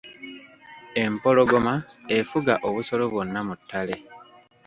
Empologoma efuga obusolo bwonna mu ttale.